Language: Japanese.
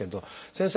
先生。